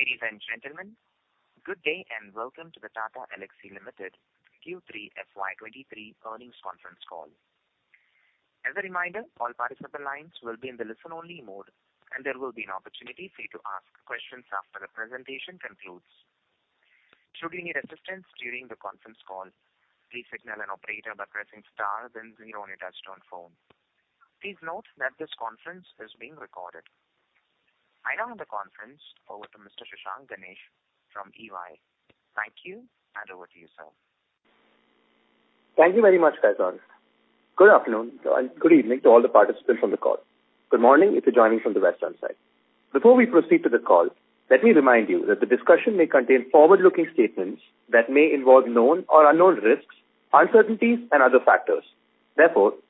Ladies and gentlemen, good day and welcome to the Tata Elxsi Limited Q3 FY '23 earnings conference call. As a reminder, all participant lines will be in the listen-only mode, and there will be an opportunity for you to ask questions after the presentation concludes. Should you need assistance during the conference call, please signal an operator by pressing star then zero on your touchtone phone. Please note that this conference is being recorded. I now hand the conference over to Mr. Shashank Ganesh from EY. Thank you. Over to you, sir. Thank you very much, Faizan. Good afternoon and good evening to all the participants on the call. Good morning if you're joining from the western side. Before we proceed to the call, let me remind you that the discussion may contain forward-looking statements that may involve known or unknown risks, uncertainties and other factors.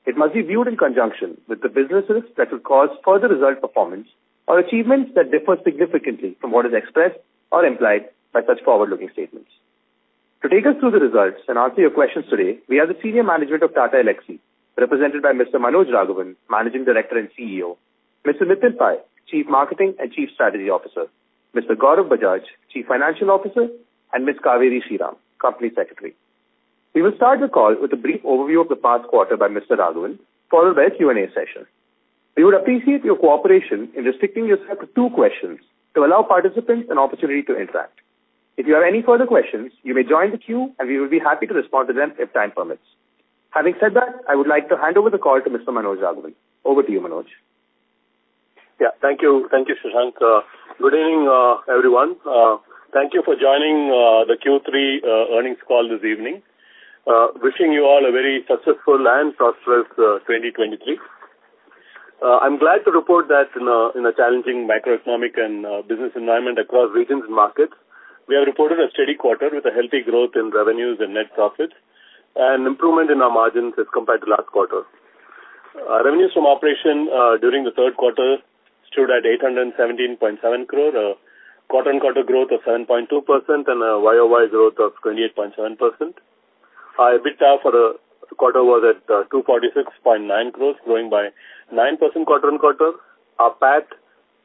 It must be viewed in conjunction with the businesses that will cause further result performance or achievements that differ significantly from what is expressed or implied by such forward-looking statements. To take us through the results and answer your questions today, we have the senior management of Tata Elxsi, represented by Mr. Manoj Raghavan, Managing Director and CEO; Mr. Nitin Pai, Chief Marketing and Chief Strategy Officer; Mr. Gaurav Bajaj, Chief Financial Officer; and Ms. Cauveri Sriram, Company Secretary. We will start the call with a brief overview of the past quarter by Mr. Raghavan, followed by a Q&A session. We would appreciate your cooperation in restricting yourself to two questions to allow participants an opportunity to interact. If you have any further questions, you may join the queue, and we will be happy to respond to them if time permits. Having said that, I would like to hand over the call to Mr. Manoj Raghavan. Over to you, Manoj. Thank you. Thank you, Shashank. Good evening, everyone. Thank you for joining the Q3 earnings call this evening. Wishing you all a very successful and prosperous 2023. I'm glad to report that in a challenging macroeconomic and business environment across regions and markets, we have reported a steady quarter with a healthy growth in revenues and net profit and improvement in our margins as compared to last quarter. Revenues from operation during the third quarter stood at 817.7 crore, a quarter-on-quarter growth of 7.2% and a Y-o-Y growth of 28.7%. Our EBITDA for the quarter was at 246.9 crore, growing by 9% quarter-on-quarter. Our PAT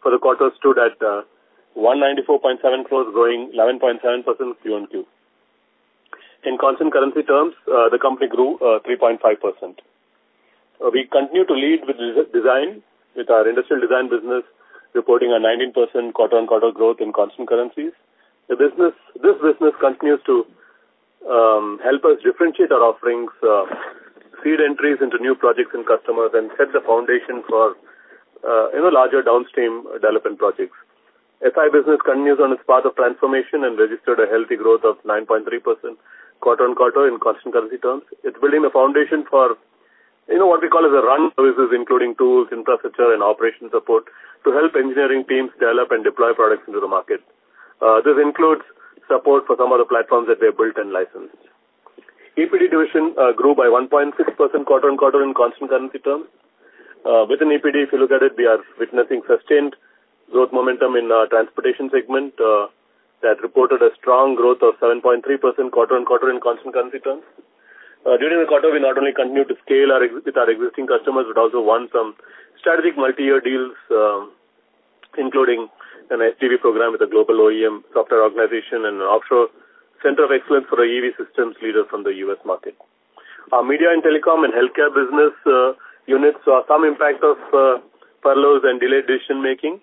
for the quarter stood at 194.7 crores, growing 11.7% Q-o-Q. In constant currency terms, the company grew 3.5%. We continue to lead with design, with our industrial design business reporting a 19% Q-o-Q growth in constant currencies. This business continues to help us differentiate our offerings, seed entries into new projects and customers, and set the foundation for, you know, larger downstream development projects. SI business continues on its path of transformation and registered a healthy growth of 9.3% Q-o-Q in constant currency terms. It's building a foundation for, you know, what we call as a run services, including tools, infrastructure and operation support to help engineering teams develop and deploy products into the market. This includes support for some of the platforms that they have built and licensed. EPD division grew by 1.6% quarter-on-quarter in constant currency terms. Within EPD, if you look at it, we are witnessing sustained growth momentum in our transportation segment that reported a strong growth of 7.3% quarter-on-quarter in constant currency terms. During the quarter, we not only continued to scale with our existing customers, but also won some strategic multi-year deals, including an HGV program with a global OEM software organization and an offshore center of excellence for our EV systems leader from the U.S. market. Our media and telecom and healthcare business units saw some impact of furloughs and delayed decision-making.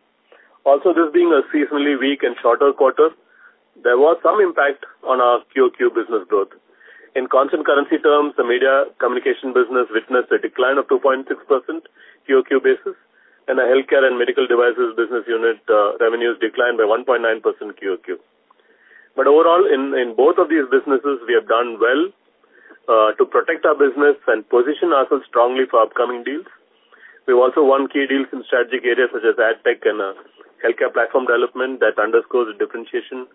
This being a seasonally weak and shorter quarter, there was some impact on our QOQ business growth. In constant currency terms, the media communication business witnessed a decline of 2.6% QOQ basis, and the healthcare and medical devices business unit, revenues declined by 1.9% QOQ. Overall, in both of these businesses, we have done well to protect our business and position ourselves strongly for upcoming deals. We have also won key deals in strategic areas such as AdTech and healthcare platform development that underscores the differentiation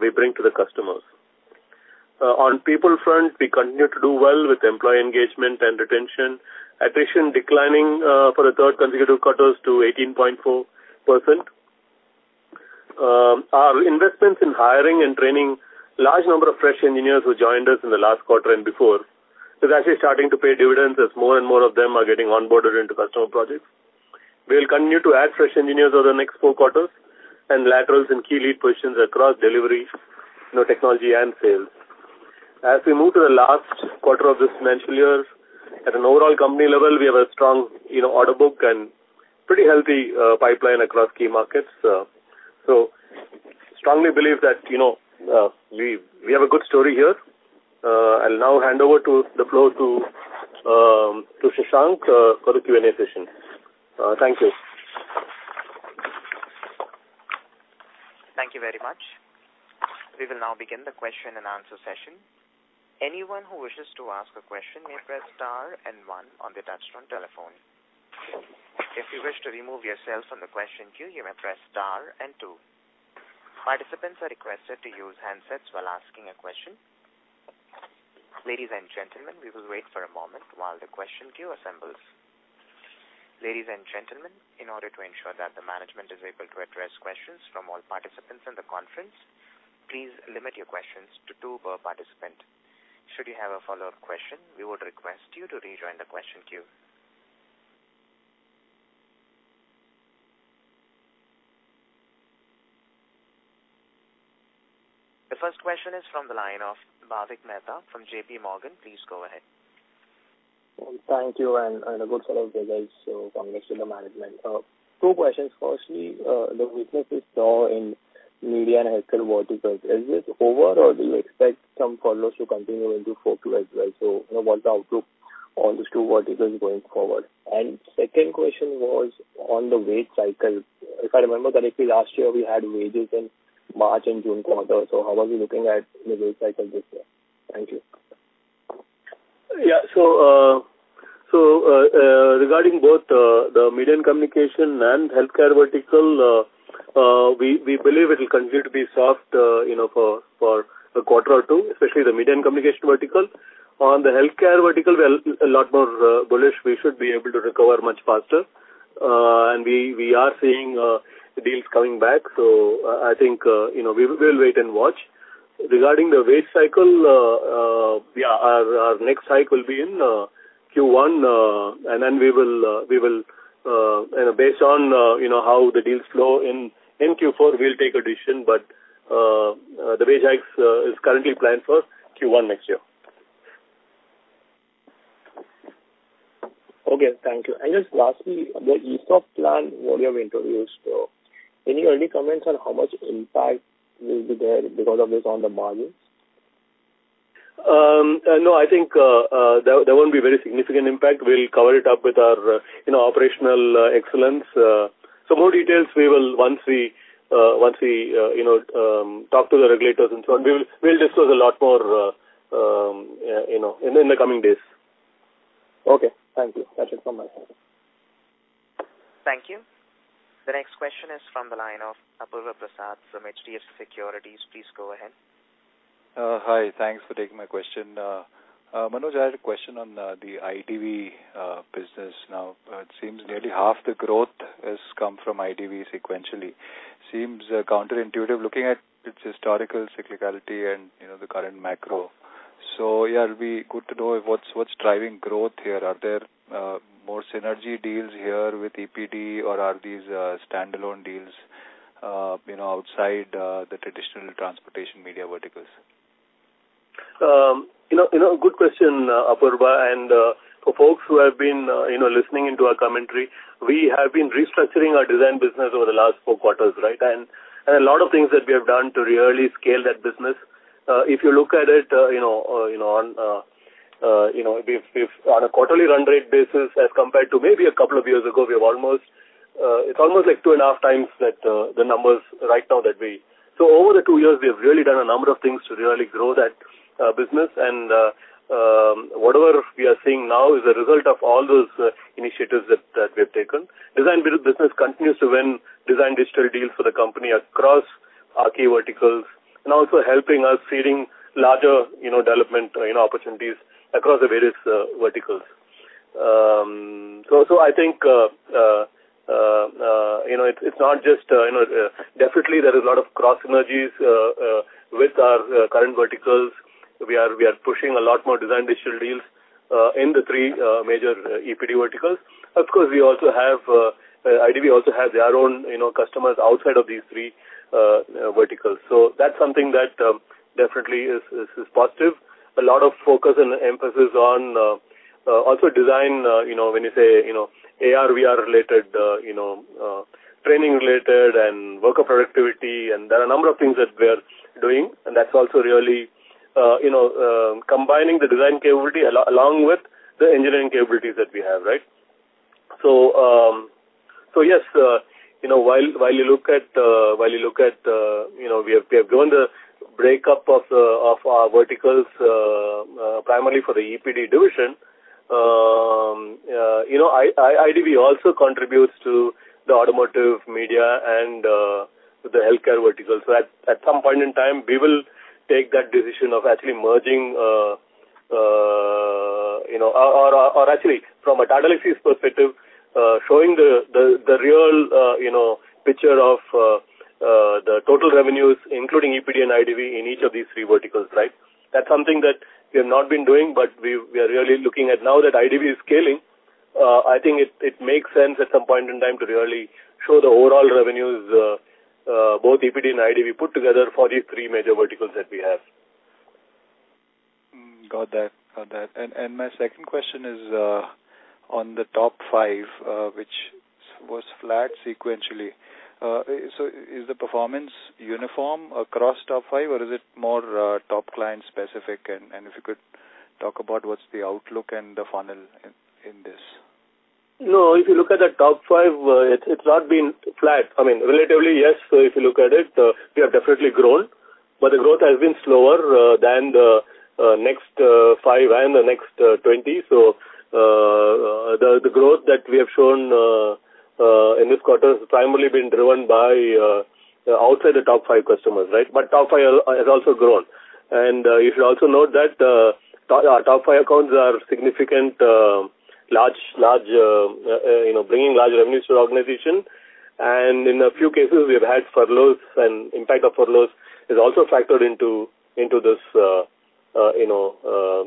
we bring to the customers. On people front, we continue to do well with employee engagement and retention. Attrition declining for the third consecutive quarters to 18.4%. Our investments in hiring and training large number of fresh engineers who joined us in the last quarter and before is actually starting to pay dividends as more and more of them are getting onboarded into customer projects. We'll continue to add fresh engineers over the next Q4 and laterals in key lead positions across delivery, you know, technology and sales. As we move to the last quarter of this financial year, at an overall company level, we have a strong, you know, order book and pretty healthy pipeline across key markets. Strongly believe that, you know, we have a good story here. I'll now hand over to the floor to Shashank for the Q&A session. Thank you. Thank you very much. We will now begin the question-and-answer session. Anyone who wishes to ask a question may press star and one on their touchtone telephone. If you wish to remove yourselves from the question queue, you may press star and two. Participants are requested to use handsets while asking a question. Ladies and gentlemen, we will wait for a moment while the question queue assembles. Ladies and gentlemen, in order to ensure that the management is able to address questions from all participants in the conference, please limit your questions to two per participant. Should you have a follow-up question, we would request you to rejoin the question queue. The first question is from the line of Bhavik Mehta from JPMorgan. Please go ahead. Thank you, and a good set of results from Wipro Management. Two questions. Firstly, the weakness we saw in media and healthcare verticals, is this over or do you expect some follow through continuing into 4Q as well? What's the outlook on these two verticals going forward? Second question was on the wage cycle. If I remember correctly, last year we had wages in March and June quarter. How are we looking at the wage cycle this year? Thank you. Yeah. So regarding both the media and communication and healthcare vertical, we believe it will continue to be soft, you know, for a quarter or two, especially the media and communication vertical. On the healthcare vertical, we are a lot more bullish. We should be able to recover much faster. And we are seeing deals coming back. I think, you know, we will wait and watch. Regarding the wage cycle, yeah, our next hike will be in Q1, and then we will, you know, based on, you know, how the deals flow in Q4, we'll take a decision. The wage hike is currently planned for Q1 next year. Okay. Thank you. Just lastly, the ESOP plan volume introduced. Any early comments on how much impact will be there because of this on the margins? No, I think there won't be very significant impact. We'll cover it up with our, you know, operational excellence. More details once we, you know, talk to the regulators and so on, we'll discuss a lot more, you know, in the coming days. Okay. Thank you. That's it from my side. Thank you. The next question is from the line of Apurva Prasad from HDFC Securities. Please go ahead. Hi. Thanks for taking my question. Manoj, I had a question on the IDV business now. It seems nearly half the growth has come from IDV sequentially. Seems counterintuitive looking at its historical cyclicality and, you know, the current macro. Yeah, it'll be good to know what's driving growth here. Are there more synergy deals here with EPD or are these standalone deals, you know, outside the traditional transportation media verticals? You know, you know, good question, Apurva Prasad. For folks who have been, you know, listening into our commentary, we have been restructuring our design business over the last Q4, right? A lot of things that we have done to really scale that business. If you look at it, you know, you know, on, you know, if on a quarterly run rate basis as compared to maybe a couple of years ago, we have almost, it's almost like 2.5 times that, the numbers right now. Over the 2 years, we have really done a number of things to really grow that business. Whatever we are seeing now is a result of all those initiatives that we have taken. Design business continues to win design digital deals for the company across our key verticals and also helping us seeding larger, you know, development, you know, opportunities across the various verticals. I think, you know, it's not just, you know, definitely there is a lot of cross synergies with our current verticals. We are pushing a lot more design digital deals in the three major EPD verticals. Of course, we also have IDV also has their own, you know, customers outside of these three verticals. That's something that definitely is positive. A lot of focus and emphasis on also design, you know, when you say, you know, AR/VR related, you know, training related and worker productivity. There are a number of things that we are doing. That's also really, you know, combining the design capability along with the engineering capabilities that we have, right? Yes, you know, while you look at, you know, we have grown the breakup of our verticals, primarily for the EPD division. You know, IDV also contributes to the automotive media and the healthcare verticals. At some point in time, we will take that decision of actually merging, you know, or actually from a catalyst perspective, showing the real, you know, picture of the total revenues, including EPD and IDV in each of these three verticals, right. That's something that we have not been doing, but we are really looking at now that IDV is scaling. I think it makes sense at some point in time to really show the overall revenues, both EPD and IDV put together for these three major verticals that we have. Got that. My second question is on the top five, which was flat sequentially. Is the performance uniform across top five or is it more top client specific? If you could talk about what's the outlook and the funnel in this. No, if you look at the top 5, it's not been flat. I mean, relatively, yes. If you look at it, we have definitely grown, but the growth has been slower than the next 5 and the next 20. The growth that we have shown in this quarter has primarily been driven by outside the top 5 customers, right? Top 5 has also grown. If you also note that our top 5 accounts are significant, large, you know, bringing large revenues to the organization. In a few cases, we have had furloughs, and impact of furloughs is also factored into this, you know,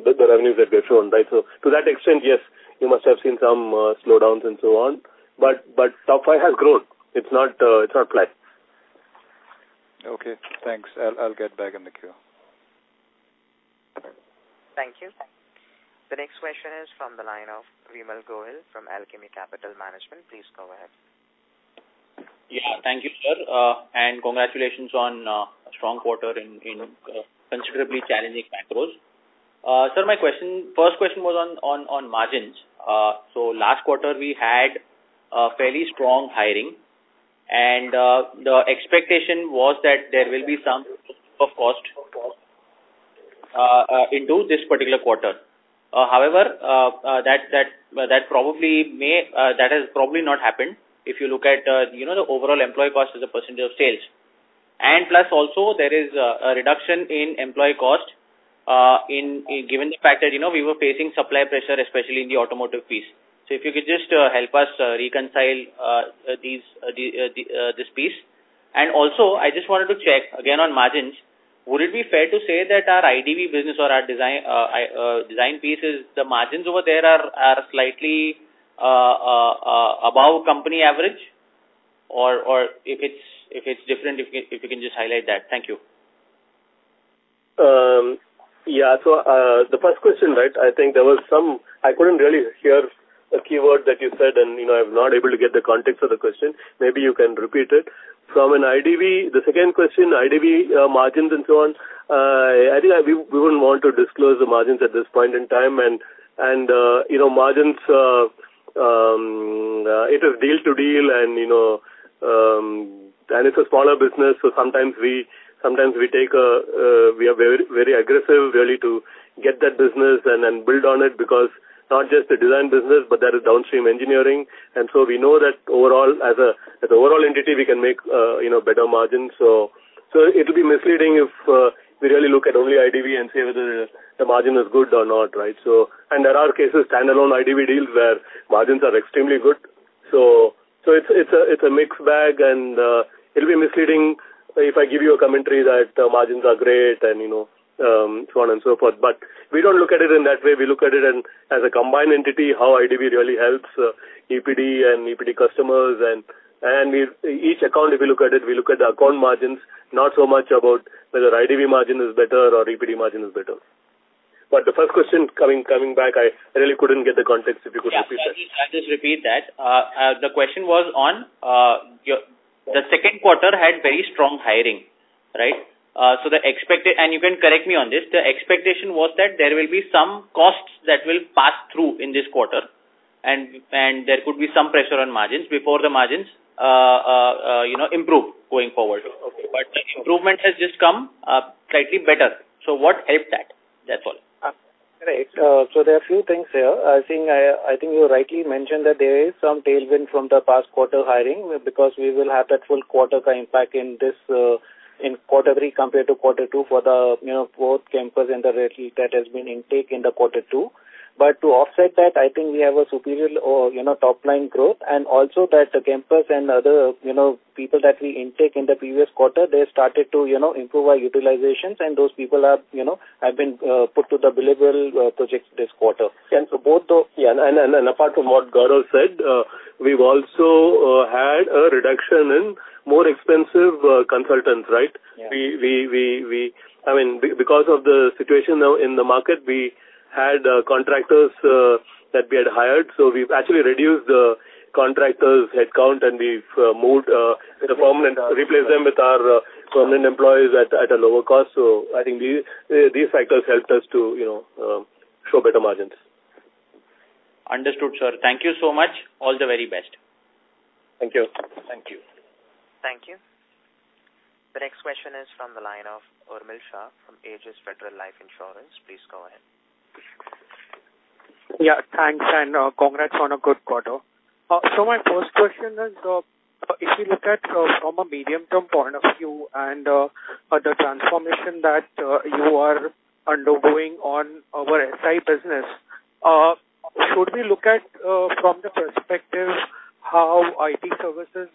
the revenues that we have shown. Right? To that extent, yes, you must have seen some slowdowns and so on. Top five has grown. It's not, it's not flat. Okay, thanks. I'll get back in the queue. Thank you. The next question is from the line of Vimal Gohil from Alchemy Capital Management. Please go ahead. Yeah, thank you, sir. Congratulations on a strong quarter in considerably challenging macros. Sir, my first question was on margins. Last quarter we had a fairly strong hiring, and the expectation was that there will be some of cost into this particular quarter. However, that has probably not happened if you look at, you know, the overall employee cost as a % of sales. Plus also there is a reduction in employee cost, given the fact that, you know, we were facing supply pressure, especially in the automotive piece. If you could just help us reconcile these, the, this piece. Also, I just wanted to check again on margins. Would it be fair to say that our IDV business or our design pieces, the margins over there are slightly above company average? If it's different, if you can just highlight that. Thank you. Yeah. The first question, right? I think I couldn't really hear a keyword that you said, you know, I'm not able to get the context of the question. Maybe you can repeat it. From an IDV, the second question, IDV margins and so on, I think we wouldn't want to disclose the margins at this point in time. you know, margins, it is deal to deal and, you know, it's a smaller business, so sometimes we take a, we are very, very aggressive really to get that business and build on it because not just the design business, but there is downstream engineering. we know that overall, as an overall entity, we can make, you know, better margins. It'll be misleading if we really look at only IDV and say whether the margin is good or not, right? There are cases, standalone IDV deals, where margins are extremely good. It's a, it's a mixed bag, and it'll be misleading if I give you a commentary that margins are great and, you know, so on and so forth. We don't look at it in that way. We look at it in, as a combined entity, how IDV really helps EPD and EPD customers. Each account, if we look at it, we look at the account margins, not so much about whether IDV margin is better or EPD margin is better. The first question, coming back, I really couldn't get the context, if you could repeat that. Yeah. I'll just repeat that. The question was on. The Q2 had very strong hiring, right? You can correct me on this. The expectation was that there will be some costs that will pass through in this quarter and there could be some pressure on margins before the margins, you know, improve going forward. Okay. Sure. The improvement has just come, slightly better. What helped that? That's all. Right. There are a few things here. I think you rightly mentioned that there is some tailwind from the past quarter hiring because we will have that full quarter kind impact in this in quarter three compared to quarter two for the, you know, both campus and the headcount that has been intake in quarter two. To offset that, I think we have a superior or, you know, top-line growth, and also that the campus and other, you know, people that we intake in the previous quarter, they started to, you know, improve our utilizations, and those people have, you know, have been put to the billable projects this quarter. Yeah. Apart from what Gaurav said, we've also had a reduction in more expensive consultants, right? Yeah. We I mean, because of the situation now in the market, we had contractors that we had hired. We've actually reduced the contractors' headcount, and we've moved, replaced them with our permanent employees at a lower cost. I think these factors helped us to, you know, show better margins. Understood, sir. Thank you so much. All the very best. Thank you. Thank you. Thank you. The next question is from the line of Urmil Shah from Ageas Federal Life Insurance. Please go ahead. Yeah, thanks, and congrats on a good quarter. My first question is, if you look at from a medium-term point of view and the transformation that you are undergoing on our SI business, should we look at from the perspective how IT services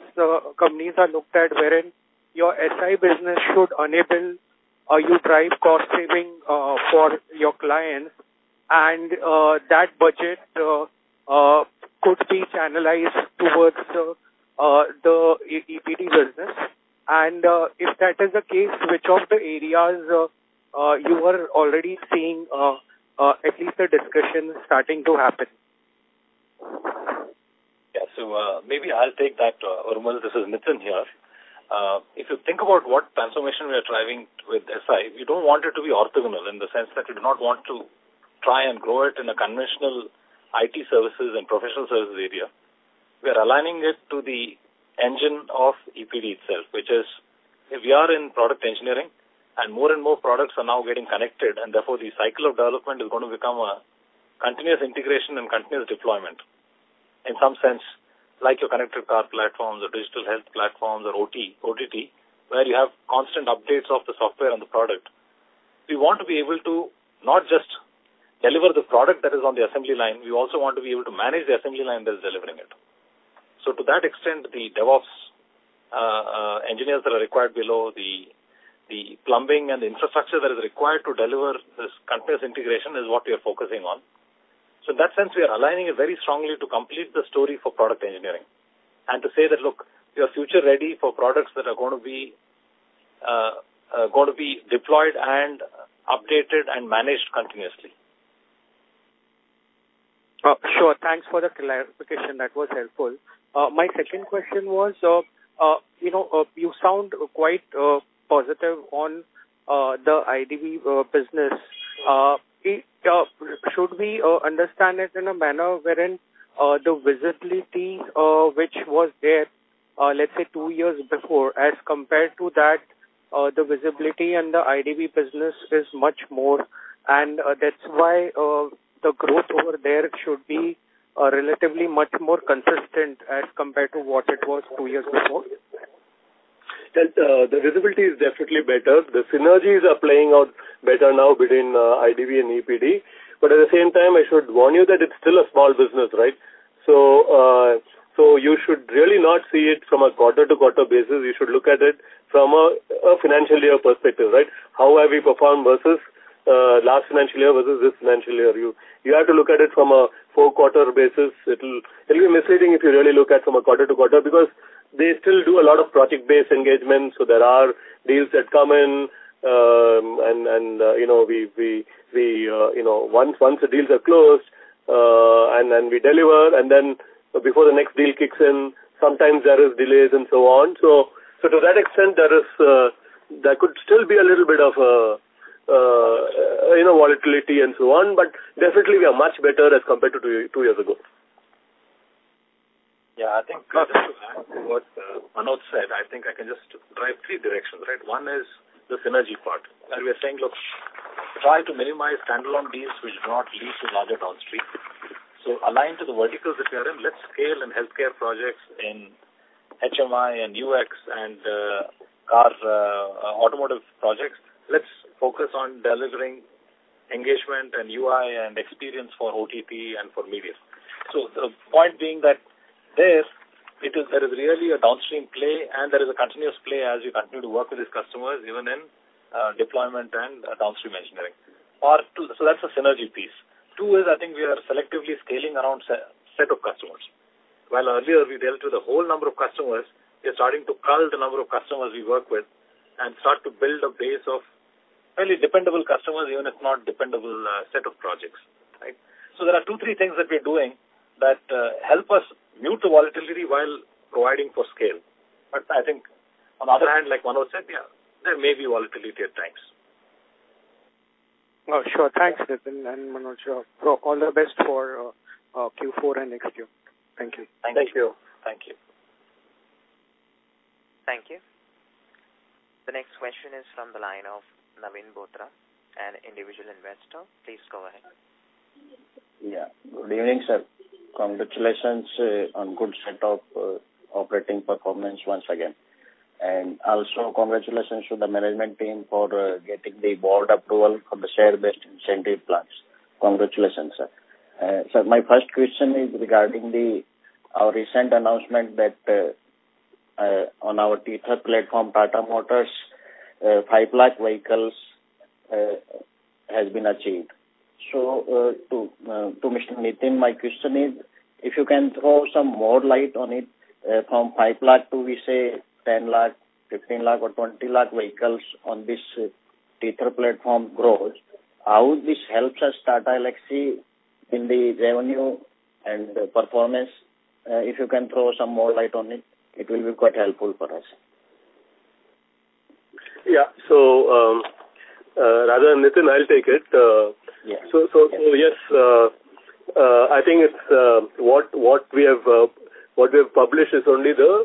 companies are looked at, wherein your SI business should enable or you drive cost saving for your clients, and that budget could be channelized towards the EPD business? If that is the case, which of the areas you are already seeing at least a discussion starting to happen? Yeah. Maybe I'll take that, Urmil. This is Nitin here. If you think about what transformation we are driving with SI, we don't want it to be orthogonal in the sense that we do not want to try and grow it in a conventional IT services and professional services area. We are aligning it to the engine of EPD itself, which is if we are in product engineering and more and more products are now getting connected, therefore, the cycle of development is going to become a continuous integration and continuous deployment. In some sense, like your connected car platforms or digital health platforms or OT, OTT, where you have constant updates of the software and the product. We want to be able to not just deliver the product that is on the assembly line. We also want to be able to manage the assembly line that is delivering it. To that extent, the DevOps engineers that are required below the plumbing and the infrastructure that is required to deliver this continuous integration is what we are focusing on. In that sense, we are aligning it very strongly to complete the story for product engineering. To say that, look, we are future-ready for products that are gonna be deployed and updated and managed continuously. Sure. Thanks for the clarification. That was helpful. My second question was, you know, you sound quite positive on the IDV business. It should we understand it in a manner wherein the visibility which was there, let's say two years before, as compared to that, the visibility and the IDV business is much more, and that's why the growth over there should be relatively much more consistent as compared to what it was two years before? That, the visibility is definitely better. The synergies are playing out better now between IDV and EPD, at the same time, I should warn you that it's still a small business, right? You should really not see it from a quarter-to-quarter basis. You should look at it from a financial year perspective, right? How have we performed versus last financial year versus this financial year? You have to look at it from a Q4 basis. It'll be misleading if you really look at from a quarter-quarter because they still do a lot of project-based engagement, so there are deals that come in, and, you know, we, once the deals are closed, and then we deliver, and then before the next deal kicks in, sometimes there is delays and so on. To that extent, there is, there could still be a little bit of, you know, volatility and so on, but definitely we are much better as compared to 2 years ago. Yeah. Okay. What Manoj said, I think I can just drive three directions, right? One is the synergy part, where we are saying, look, try to minimize standalone deals which do not lead to larger downstream. Align to the verticals that we are in. Let's scale in healthcare projects, in HMI and UX and car automotive projects. Let's focus on delivering engagement and UI and experience for OTT and for media. The point being that this, there is really a downstream play and there is a continuous play as you continue to work with these customers, even in deployment and downstream engineering. Part two. That's the synergy piece. Two is I think we are selectively scaling around set of customers. While earlier we dealt with a whole number of customers, we're starting to cull the number of customers we work with and start to build a base of fairly dependable customers, even if not dependable, set of projects, right? There are two, three things that we're doing that help us mute the volatility while providing for scale. I think on the other hand, like Manoj said, yeah, there may be volatility at times. Oh, sure. Thanks, Nithin and Manoj. All the best for Q4 and next year. Thank you. Thank you. Thank you. Thank you. The next question is from the line of Naveen Bothra, an individual investor. Please go ahead. Good evening, sir. Congratulations on good set of operating performance once again. Also congratulations to the management team for getting the board approval for the share-based incentive plans. Congratulations, sir. My first question is regarding the, our recent announcement that on our TETHER platform, Tata Motors 5 lakh vehicles has been achieved. To Mr. Nitin Pai, my question is, if you can throw some more light on it, from 5 lakh to we say 10 lakh, 15 lakh or 20 lakh vehicles on this TETHER platform growth, how this helps us Tata Elxsi in the revenue and the performance? If you can throw some more light on it will be quite helpful for us. Yeah. Rather than Nithin, I'll take it. Yeah. Yes. I think it's what we have published is only the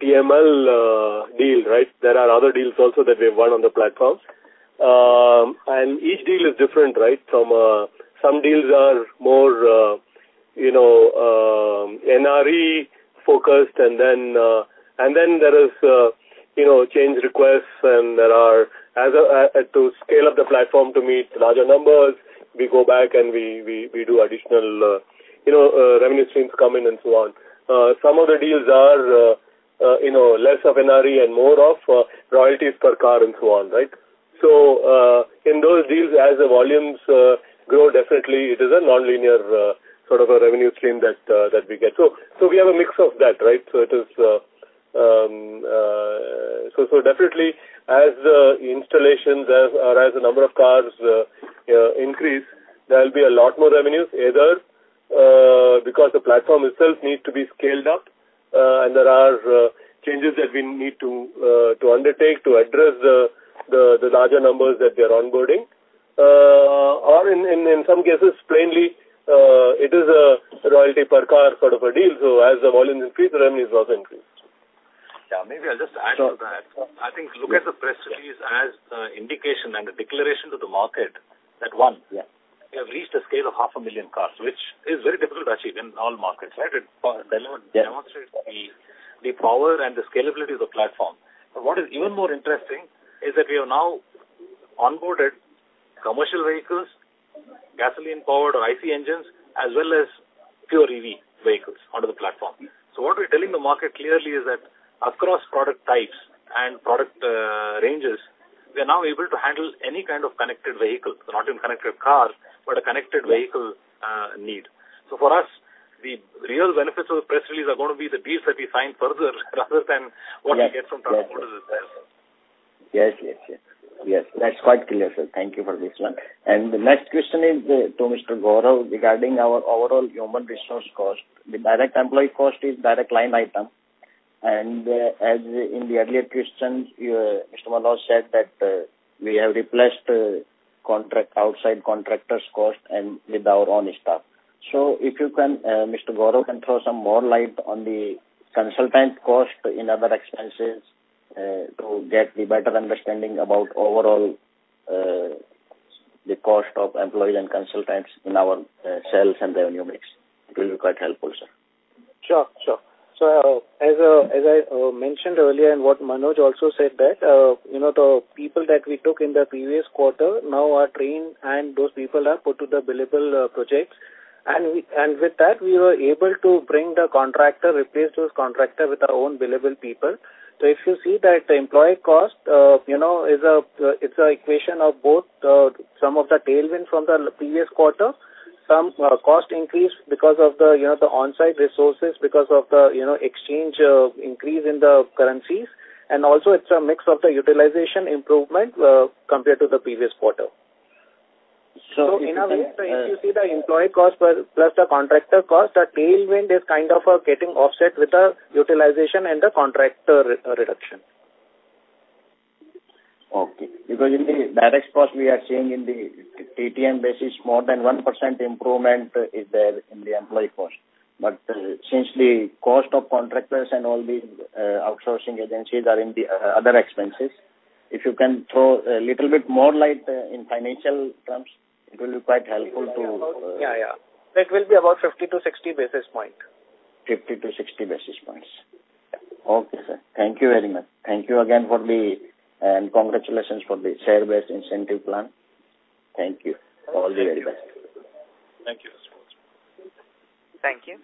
TML deal, right? There are other deals also that we have won on the platform. Each deal is different, right? Some deals are more, you know, NRE-focused, and then there is, you know, change requests and there are... As to scale up the platform to meet larger numbers, we go back and we do additional, you know, revenue streams come in and so on. Some of the deals are, you know, less of NRE and more of royalties per car and so on, right? In those deals, as the volumes grow, definitely it is a nonlinear sort of a revenue stream that we get. We have a mix of that, right? Definitely as the installations, or as the number of cars increase, there'll be a lot more revenues, either because the platform itself needs to be scaled up, and there are changes that we need to undertake to address the larger numbers that they're onboarding. Or in some cases, plainly, it is a royalty per car sort of a deal. As the volume increase, the revenue is also increased. Yeah. Maybe I'll just add to that. Sure. I think look at the press release as the indication and the declaration to the market that, one. Yeah We have reached a scale of half a million cars, which is very difficult to achieve in all markets, right? It demonstrates the power and the scalability of the platform. What is even more interesting is that we have now onboarded commercial vehicles, gasoline powered or IC engines, as well as pure EV vehicles onto the platform. What we're telling the market clearly is that across product types and product ranges, we are now able to handle any kind of connected vehicle, so not even connected cars, but a connected vehicle need. For us, the real benefits of the press release are gonna be the deals that we sign further rather than what we get from transporters themselves. Yes, yes. Yes, that's quite clear, sir. Thank you for this one. The next question is to Mr. Gaurav regarding our overall human resource cost. The direct employee cost is direct line item. As in the earlier questions, Mr. Manoj said that we have replaced outside contractors' cost and with our own staff. If you can, Mr. Gaurav, can throw some more light on the consultant cost in other expenses to get the better understanding about overall the cost of employees and consultants in our sales and revenue mix. It will be quite helpful, sir. Sure, sure. As I mentioned earlier and what Manoj also said that, you know, the people that we took in the previous quarter now are trained, and those people are put to the billable projects. With that, we were able to bring the contractor, replace those contractor with our own billable people. If you see that the employee cost, you know, is an equation of both, some of the tailwind from the previous quarter, some cost increase because of the, you know, the on-site resources because of the, you know, exchange increase in the currencies. Also it's a mix of the utilization improvement compared to the previous quarter. So in a way- If you see the employee cost plus the contractor cost, the tailwind is kind of getting offset with the utilization and the contractor re-reduction. Okay. In the direct cost we are seeing in the TTM basis, more than 1% improvement is there in the employee cost. Since the cost of contractors and all the outsourcing agencies are in the other expenses, if you can throw a little bit more light, in financial terms, it will be quite helpful to. Yeah, yeah. It will be about 50-60 basis point. 50-60 basis points. Yeah. Okay, sir. Thank you very much. Thank you again for the... Congratulations for the share-based incentive plan. Thank you. All the very best. Thank you. Thank you.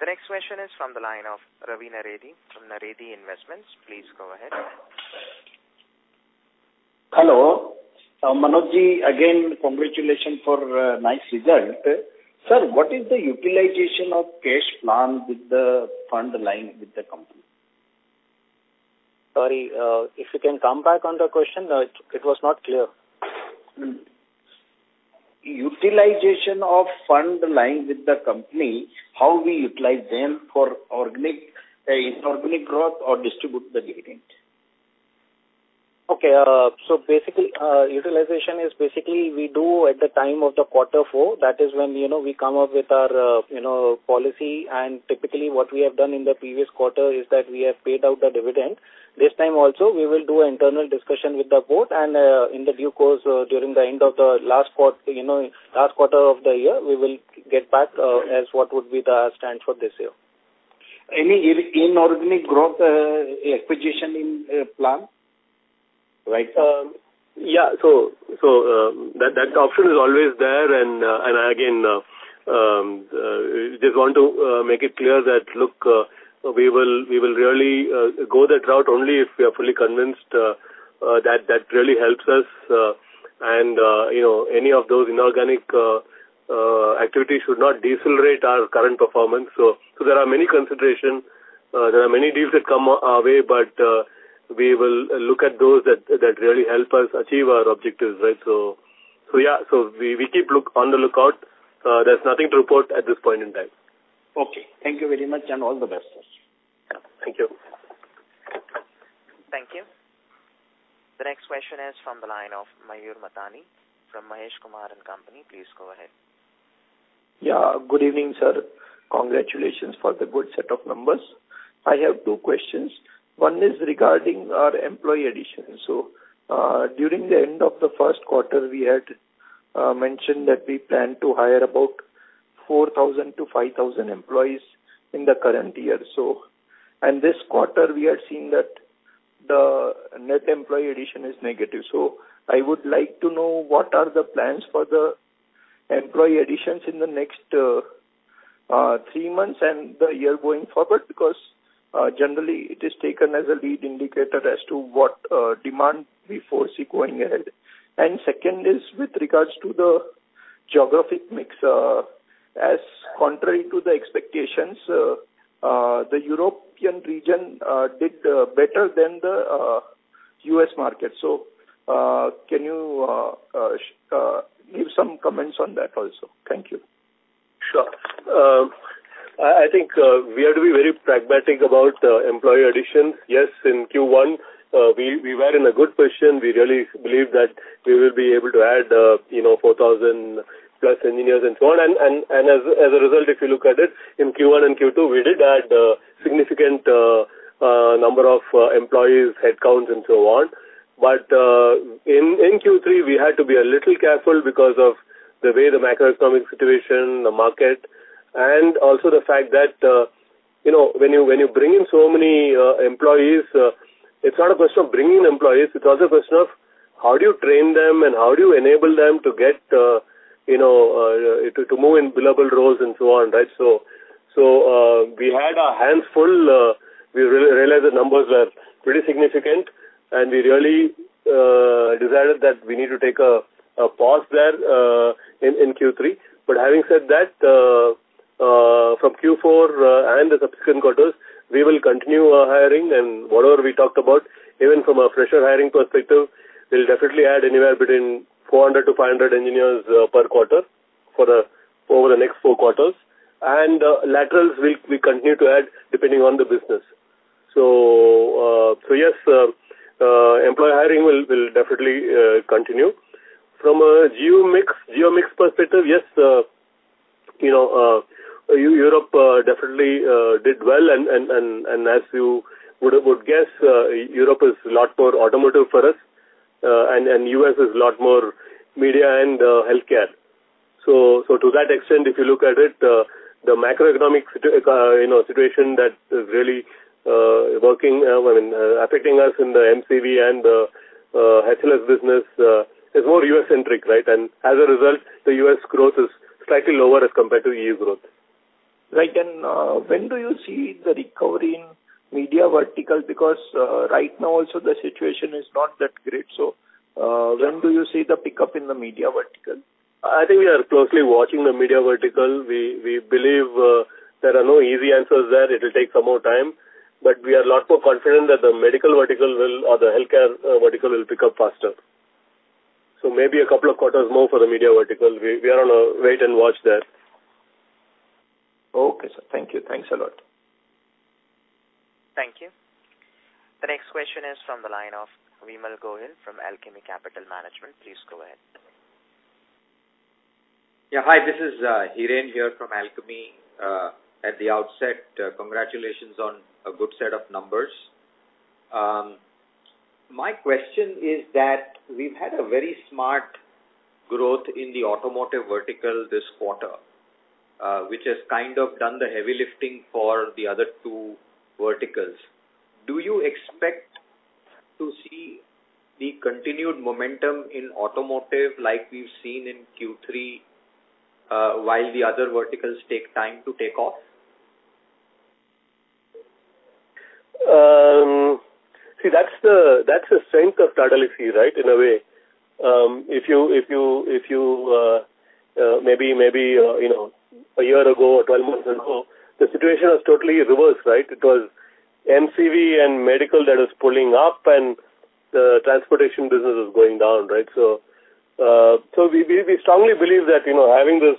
The next question is from the line of Ravi Naredi from Naredi Investments. Please go ahead. Hello. Manoj ji, again, congratulations for nice result. Sir, what is the utilization of cash plan with the fund line with the company? Sorry, if you can come back on the question, it was not clear. Utilization of fund line with the company, how we utilize them for organic, inorganic growth or distribute the dividend. Basically, utilization is basically we do at the time of the quarter 4. That is when, you know, we come up with our, you know, policy. Typically what we have done in the previous quarter is that we have paid out the dividend. This time also, we will do internal discussion with the board and, in the due course, during the end of the last quarter of the year, we will get back as what would be the stand for this year. Any inorganic growth, acquisition in plan right now? Yeah. That option is always there. Again, just want to make it clear that, look, we will really go that route only if we are fully convinced that really helps us. You know, any of those inorganic activities should not decelerate our current performance. There are many consideration. There are many deals that come our way, but, we will look at those that really help us achieve our objectives, right? Yeah. We keep look on the lookout. There's nothing to report at this point in time. Okay. Thank you very much. All the best. Yeah. Thank you. Thank you. The next question is from the line of Mayur Matani from Maheshwari Kumar & Company. Please go ahead. Yeah. Good evening, sir. Congratulations for the good set of numbers. I have two questions. One is regarding our employee addition. During the end of the Q1, we had mentioned that we plan to hire about 4,000-5,000 employees in the current year. This quarter, we are seeing that the net employee addition is negative. I would like to know what are the plans for the employee additions in the next 3 months and the year going forward, because generally it is taken as a lead indicator as to what demand we foresee going ahead. Second is with regards to the geographic mix. As contrary to the expectations, the European region did better than the U.S. market. Can you give some comments on that also? Thank you. Sure. I think we have to be very pragmatic about employee additions. Yes, in Q1, we were in a good position. We really believe that we will be able to add, you know, 4,000 plus engineers and so on. As a result, if you look at it, in Q1 and Q2, we did add a significant number of employees, headcounts and so on. In Q3, we had to be a little careful because of the way the macroeconomic situation, the market, and also the fact that, you know, when you bring in so many employees, it's not a question of bringing in employees. It's also a question of how do you train them, and how do you enable them to get, you know, to move in billable roles and so on, right? We had our hands full. We realized the numbers were pretty significant, and we really decided that we need to take a pause there in Q3. Having said that, from Q4 and the subsequent quarters, we will continue our hiring. Whatever we talked about, even from a fresher hiring perspective, we'll definitely add anywhere between 400 to 500 engineers per quarter over the next Q4. Laterals we'll continue to add depending on the business. Yes, employee hiring will definitely continue. From a geo mix perspective, yes, you know, Europe definitely did well. As you would guess, Europe is a lot more automotive for us. US is a lot more media and healthcare. So to that extent, if you look at it, the macroeconomic you know situation that is really working, I mean, affecting us in the MCV and HLS business, is more US-centric, right? As a result, the US growth is slightly lower as compared to EU growth. Right. When do you see the recovery in media vertical? Because, right now also the situation is not that great. When do you see the pickup in the media vertical? I think we are closely watching the media vertical. We believe there are no easy answers there. It'll take some more time. We are a lot more confident that the medical vertical will or the healthcare vertical will pick up faster. Maybe a couple of quarters more for the media vertical. We are on a wait and watch there. Okay, sir. Thank you. Thanks a lot. Thank you. The next question is from the line of Vimal Gohil from Alchemy Capital Management. Please go ahead. Hi. This is Hiren here from Alchemy. At the outset, congratulations on a good set of numbers. My question is that we've had a very smart growth in the automotive vertical this quarter, which has kind of done the heavy lifting for the other two verticals. Do you expect to see the continued momentum in automotive like we've seen in Q3, while the other verticals take time to take off? See that's the strength of Tata Elxsi, right, in a way. If you, maybe, you know, 1 year ago or 12 months ago, the situation was totally reversed, right? It was MCV and medical that was pulling up and the transportation business was going down, right? We strongly believe that, you know, having this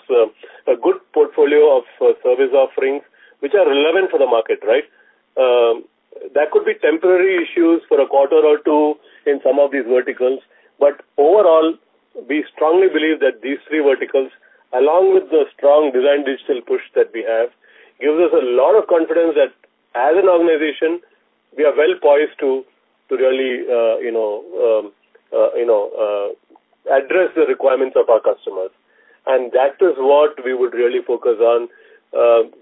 a good portfolio of service offerings which are relevant for the market, right? There could be temporary issues for 1 quarter or 2 in some of these verticals. Overall, we strongly believe that these three verticals, along with the strong design digital push that we have, gives us a lot of confidence that as an organization, we are well poised to really, you know, address the requirements of our customers. That is what we would really focus on.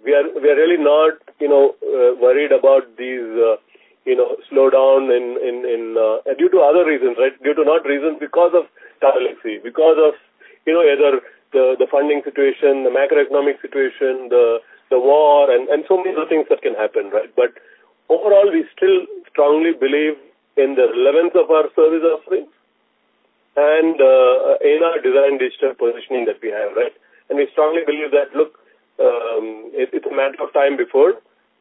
We are really not, you know, worried about these, you know, slowdown in... Due to other reasons, right. Due to not reasons because of Tata Elxsi, because of, you know, either the funding situation, the macroeconomic situation, the war, and so many other things that can happen, right. Overall, we still strongly believe in the relevance of our service offerings and, in our design digital positioning that we have, right. We strongly believe that, look, it's a matter of time before,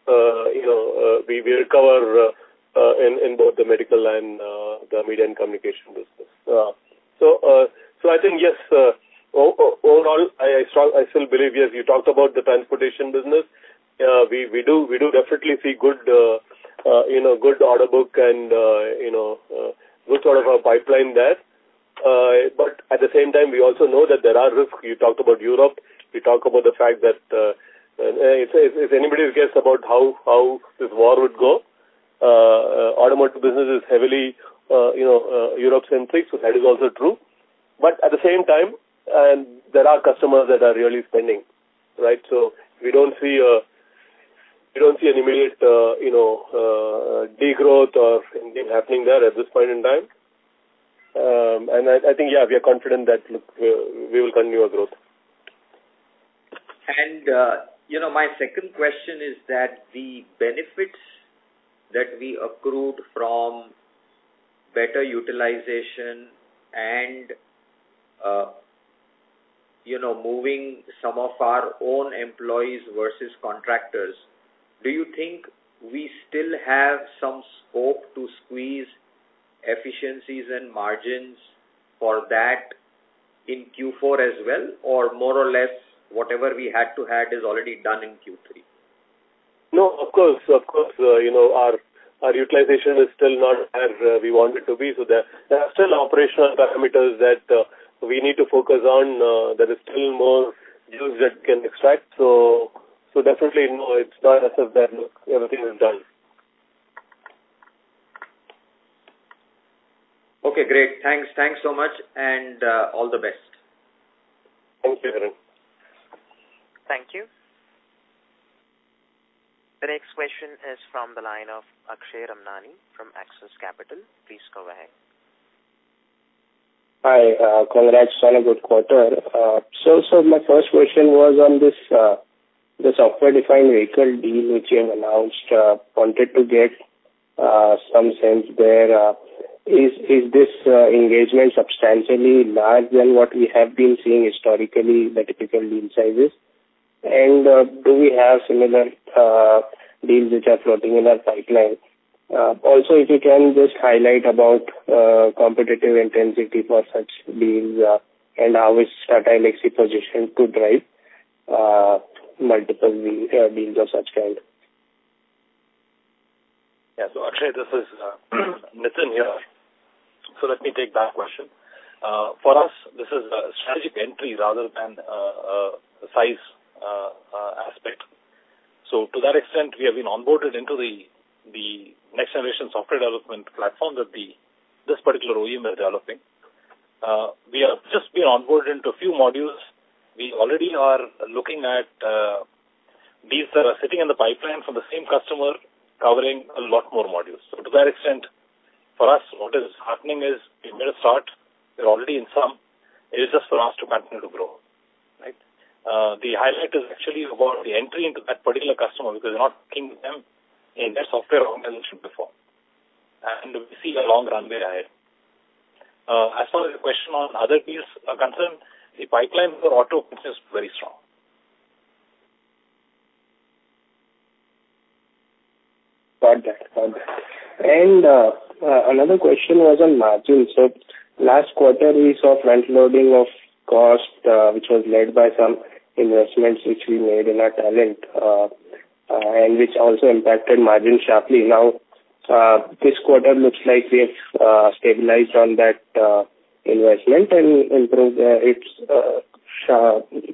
you know, we recover in both the medical and the media and communication business. I think, yes, overall, I still believe, yes, you talked about the transportation business. We do definitely see good, you know, good order book and, you know, good sort of a pipeline there. But at the same time, we also know that there are risks. You talked about Europe. You talked about the fact that, if anybody would guess about how this war would go, automotive business is heavily, you know, Europe-centric. That is also true. At the same time, there are customers that are really spending, right? We don't see any immediate, you know, degrowth of anything happening there at this point in time. I think, yeah, we are confident that, look, we will continue our growth. You know, my second question is that the benefits that we accrued from better utilization and, you know, moving some of our own employees versus contractors, do you think we still have some scope to squeeze efficiencies and margins for that in Q4 as well, or more or less whatever we had to had is already done in Q3? Of course. Of course. you know, our utilization is still not as we want it to be. There are still operational parameters that we need to focus on. There is still more use that can extract. Definitely no, it's not as if that everything is done. Okay, great. Thanks. Thanks so much and all the best. Thank you, Harin. Thank you. The next question is from the line of Akshay Ramnani from Axis Capital. Please go ahead. Hi, congrats on a good quarter. My first question was on this software-defined vehicle deal which you have announced. Wanted to get some sense there. Is this engagement substantially larger than what we have been seeing historically, the typical deal sizes? Do we have similar deals which are floating in our pipeline? If you can just highlight about competitive intensity for such deals, and how is Tata Elxsi positioned to drive multiple deals of such kind. Yeah. Akshay, this is Nitin here. Let me take that question. For us, this is a strategic entry rather than a size aspect. To that extent, we have been onboarded into the next generation software development platform that this particular OEM is developing. We have just been onboarded into a few modules. We already are looking at deals that are sitting in the pipeline from the same customer covering a lot more modules. To that extent, for us, what is happening is we made a start, we're already in some. It is just for us to continue to grow, right? The highlight is actually about the entry into that particular customer because we're not working with them in their software organization before. We see a long runway ahead. As far as the question on other deals are concerned, the pipeline for auto business is very strong. Got that. Got that. Another question was on margins. Last quarter, we saw frontloading of cost, which was led by some investments which we made in our talent, and which also impacted margin sharply. This quarter looks like we have stabilized on that investment and improved its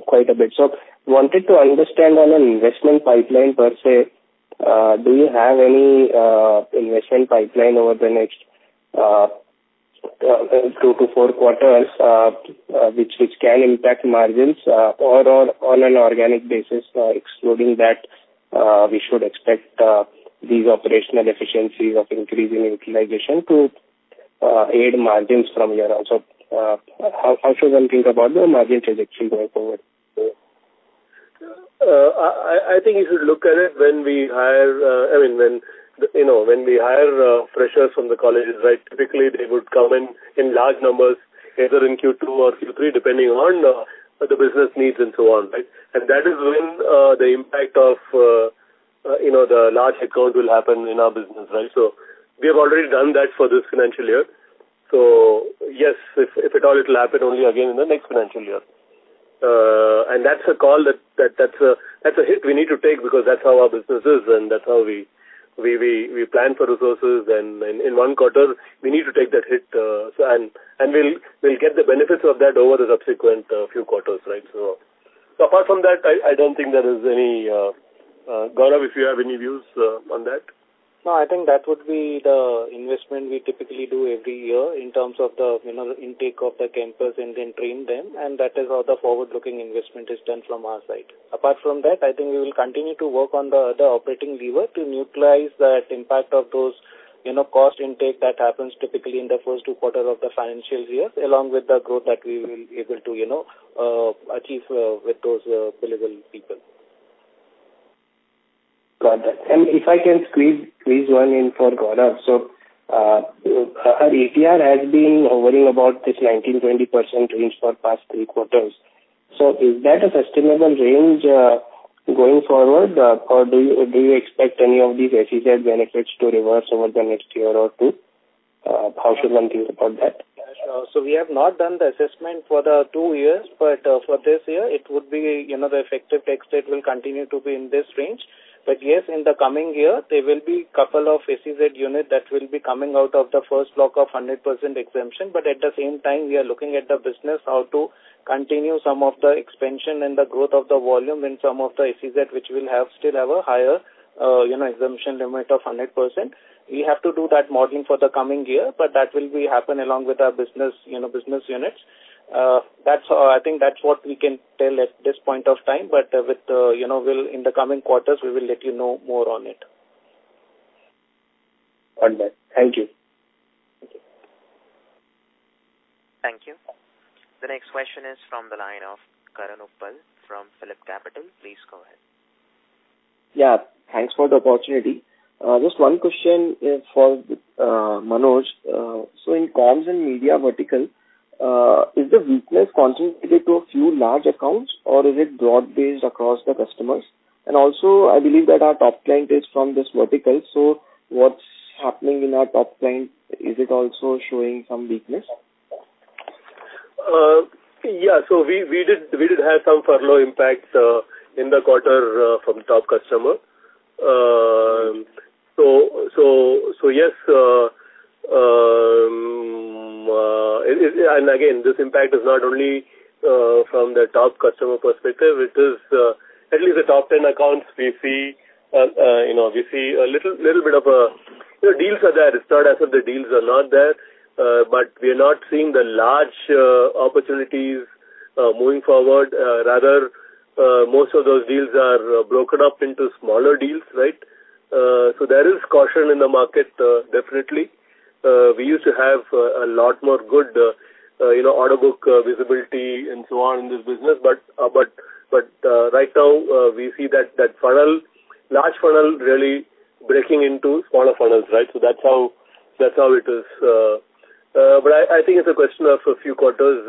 quite a bit. Wanted to understand on an investment pipeline per se, do you have any investment pipeline over the next Q2-Q3, which can impact margins? Or on an organic basis, excluding that, we should expect these operational efficiencies of increasing utilization to aid margins from here on. How should one think about the margin change actually going forward? I think you should look at it when we hire, I mean, when, you know, when we hire freshers from the colleges, right? Typically, they would come in in large numbers either in Q2 or Q3, depending on the business needs and so on, right? That is when the impact of, you know, the large headcount will happen in our business, right? We have already done that for this financial year. Yes, if at all, it'll happen only again in the next financial year. That's a call that's a, that's a hit we need to take because that's how our business is and that's how we plan for resources and in Q1 we need to take that hit. And we'll get the benefits of that over the subsequent few quarters, right? Apart from that, I don't think there is any. Gaurav, if you have any views on that? I think that would be the investment we typically do every year in terms of the, you know, the intake of the campus and then train them. That is how the forward-looking investment is done from our side. Apart from that, I think we will continue to work on the operating lever to neutralize that impact of those, you know, cost intake that happens typically in the Q1 Q2 of the financial year, along with the growth that we will able to, you know, achieve with those billable people. Got that. If I can squeeze one in for Gaurav. Our ATR has been hovering about this 19%-20% range for past Q3. Is that a sustainable range going forward? Do you expect any of these ACZ benefits to reverse over the next year or 2? How should one think about that? We have not done the assessment for the 2 years, but, for this year it would be, you know, the effective tax rate will continue to be in this range. Yes, in the coming year, there will be couple of SEZ unit that will be coming out of the first block of 100% exemption. At the same time we are looking at the business how to continue some of the expansion and the growth of the volume in some of the SEZ which will have still have a higher, you know, exemption limit of 100%. We have to do that modeling for the coming year, but that will be happen along with our business, you know, business units. That's all. I think that's what we can tell at this point of time. With, you know. In the coming quarters we will let you know more on it. Got that. Thank you. Thank you. Thank you. The next question is from the line of Karan Uppal from Phillip Capital. Please go ahead. Yeah, thanks for the opportunity. Just one question for Manoj. In comms and media vertical, is the weakness concentrated to a few large accounts or is it broad-based across the customers? Also, I believe that our top line is from this vertical, what's happening in our top line? Is it also showing some weakness? We did have some furlough impacts in the quarter from top customer. Yes. Again, this impact is not only from the top customer perspective, it is at least the top 10 accounts we see. You know, we see a little bit of a. Deals are there. It's not as if the deals are not there, but we are not seeing the large opportunities moving forward. Rather, most of those deals are broken up into smaller deals, right? There is caution in the market, definitely. We used to have a lot more good, you know, order book visibility and so on in this business, but right now, we see that funnel, large funnel really breaking into smaller funnels, right? That's how, that's how it is. I think it's a question of a few quarters.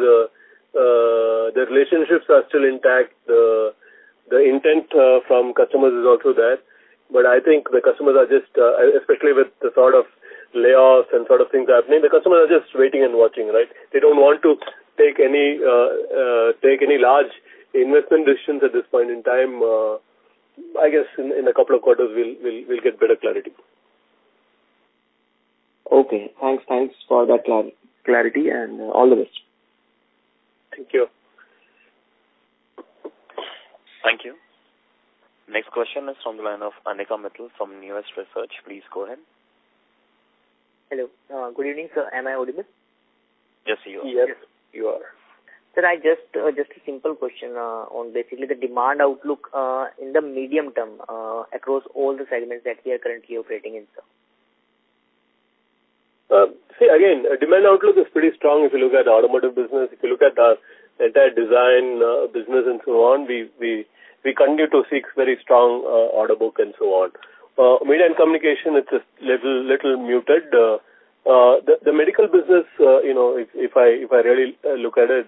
The relationships are still intact. The intent from customers is also there. I think the customers are just, especially with the sort of layoffs and sort of things happening, the customers are just waiting and watching, right? They don't want to take any large investment decisions at this point in time. I guess in a couple of quarters we'll get better clarity. Okay. Thanks. Thanks for that clarity and all the best. Thank you. Thank you. Next question is from the line of Anika Mittal from Nvst Research. Please go ahead. Hello. Good evening, sir. Am I audible? Yes, you are. Yes, you are. Sir, I just a simple question, on basically the demand outlook, in the medium term, across all the segments that we are currently operating in, sir. See again, demand outlook is pretty strong if you look at the automotive business. If you look at our data design business and so on, we continue to see very strong order book and so on. Media and communication, it's a little muted. The medical business, you know, if I really look at it,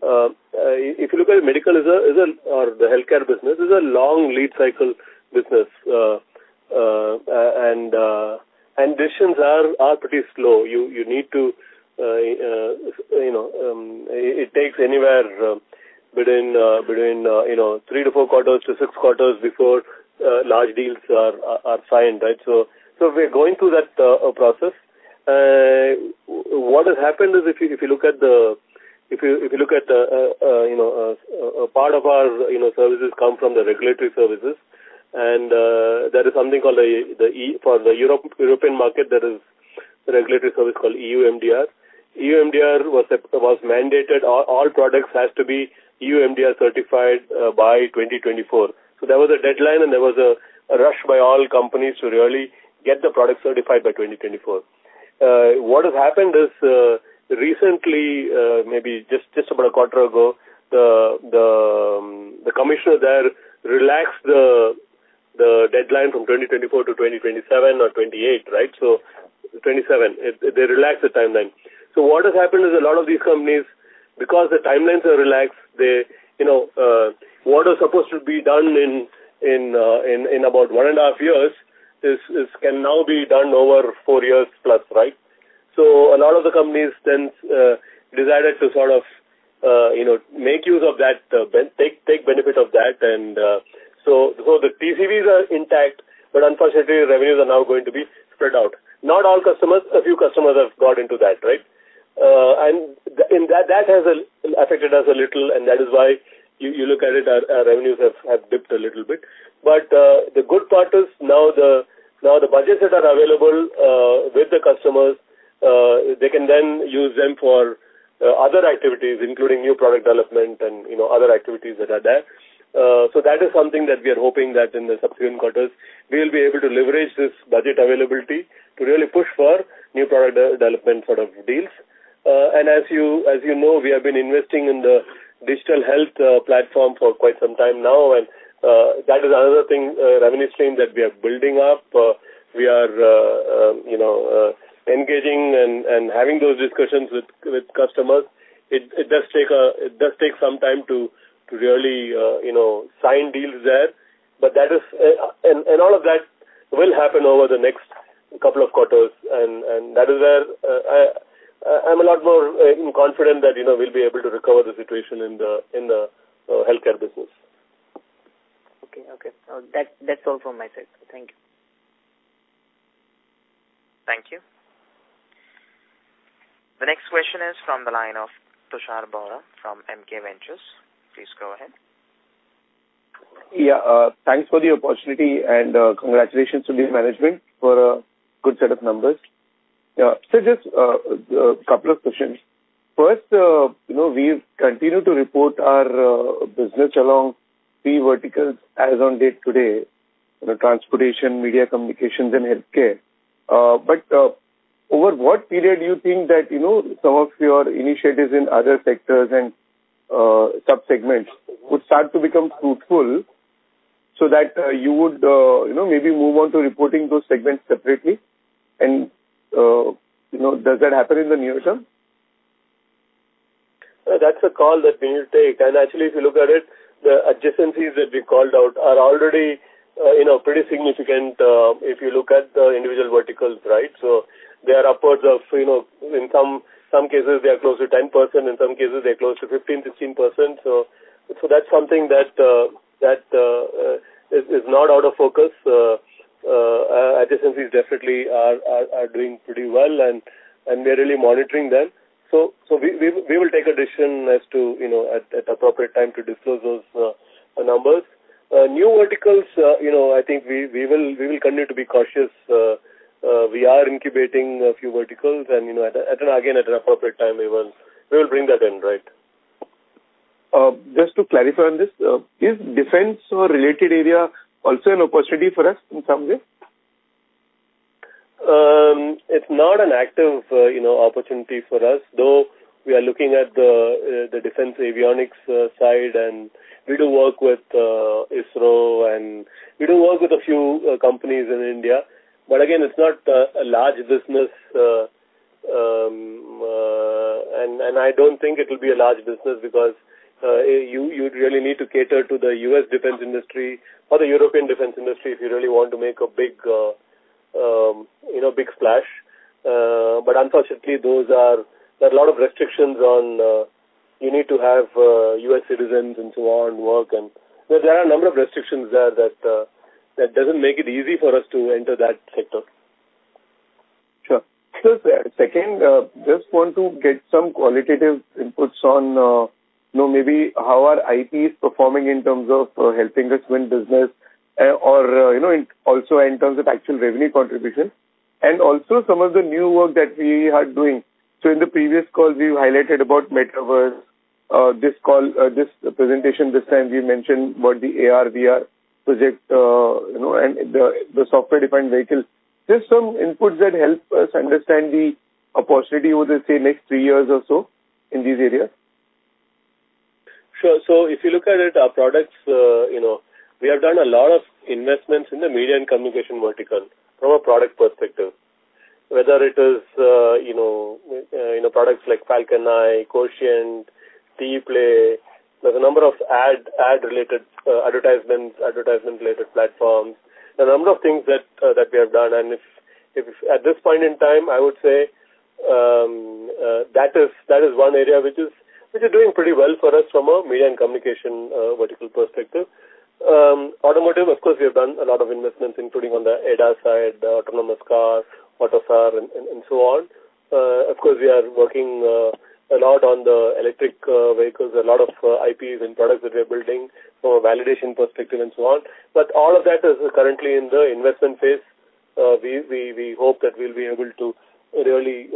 if you look at medical is a or the healthcare business, is a long lead cycle business. Decisions are pretty slow. You need to, you know, it takes anywhere between, you know, Q3-Q4-Q6 before large deals are signed, right? So we're going through that process. What has happened is if you look at the European market. A part of our, you know, services come from the regulatory services, and there is a regulatory service called EU MDR. EU MDR was mandated. All products has to be EU MDR certified by 2024. There was a deadline, and there was a rush by all companies to really get the product certified by 2024. What has happened is recently maybe just about a quarter ago, the commissioner there relaxed the deadline from 2024 to 2027 or 2028, right? 2027. They relaxed the timeline. What has happened is a lot of these companies, because the timelines are relaxed, they, you know, what is supposed to be done in about 1.5 years can now be done over 4+ years, right? A lot of the companies then decided to sort of, you know, make use of that, take benefit of that. The TCVs are intact, but unfortunately revenues are now going to be spread out. Not all customers. A few customers have got into that, right? That has affected us a little, and that is why you look at it, our revenues have dipped a little bit. The good part is now the budgets that are available with the customers, they can then use them for other activities, including new product development and, you know, other activities that are there. So that is something that we are hoping that in the subsequent quarters we'll be able to leverage this budget availability to really push for new product development sort of deals. As you know, we have been investing in the digital health platform for quite some time now. That is another thing, revenue stream that we are building up. We are, you know, engaging and having those discussions with customers. It does take some time to really, you know, sign deals there. That is... All of that will happen over the next couple of quarters. That is where I'm a lot more confident that, you know, we'll be able to recover the situation in the healthcare business. Okay. Okay. That's all from my side. Thank you. Thank you. The next question is from the line of Tushar Bohra from MK Ventures. Please go ahead. Yeah. Thanks for the opportunity. Congratulations to the management for a good set of numbers. Yeah. Just a couple of questions. First, you know, we've continued to report our business along three verticals as on date today. You know, transportation, media communications and healthcare. Over what period do you think that, you know, some of your initiatives in other sectors and subsegments would start to become fruitful so that you would, you know, maybe move on to reporting those segments separately? Does that happen in the near term? That's a call that we need to take. Actually, if you look at it, the adjacencies that we called out are already, you know, pretty significant, if you look at the individual verticals, right? They are upwards of, you know, in some cases they are close to 10%. In some cases they're close to 15%-16%. That's something that is not out of focus. Adjacencies definitely are doing pretty well, and we are really monitoring them. We will take a decision as to, you know, at appropriate time to disclose those numbers. New verticals, you know, I think we will continue to be cautious. We are incubating a few verticals and, you know, again, at an appropriate time, we will bring that in, right? Just to clarify on this, is defense or related area also an opportunity for us in some way? It's not an active, you know, opportunity for us, though we are looking at the defense avionics side, and we do work with ISRO, and we do work with a few companies in India. But again, it's not a large business, and I don't think it will be a large business because you'd really need to cater to the U.S. defense industry or the European defense industry if you really want to make a big, you know, big splash. But unfortunately, those are. There are a lot of restrictions on. You need to have U.S. citizens and so on work. But there are a number of restrictions there that doesn't make it easy for us to enter that sector. Sure. Second, just want to get some qualitative inputs on, you know, maybe how are IPs performing in terms of helping us win business, or, you know, also in terms of actual revenue contribution. Also some of the new work that we are doing. In the previous call, we highlighted about metaverse. This call, this presentation this time we mentioned about the AR/VR project, you know, and the software-defined vehicle. Just some inputs that help us understand the opportunity over, say, next 3 years or so in these areas. Sure. If you look at it, our products, you know, we have done a lot of investments in the media and communication vertical from a product perspective. Whether it is, you know, you know, products like FalconEye, QoEtient, TEPlay. There's a number of ad-related, advertisement-related platforms. There are a number of things that we have done. If at this point in time, I would say, that is one area which is doing pretty well for us from a media and communication vertical perspective. Automotive, of course, we have done a lot of investments, including on the ADAS side, autonomous cars, AUTOSAR and so on. Of course, we are working a lot on the electric vehicles. There are a lot of IPs and products that we are building from a validation perspective and so on. All of that is currently in the investment phase. We hope that we'll be able to really,